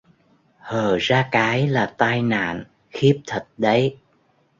hở ra cái là tai nạn khiếp thật đấy